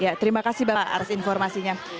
ya terima kasih bapak atas informasinya